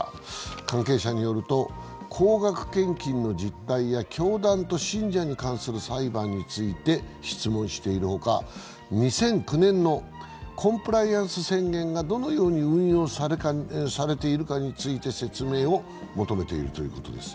関係者によると、高額献金の実態や教団と信者に関する裁判について質問しているほか２００９年のコンプライアンス宣言がどのように運用されているかについて説明を求めているということです。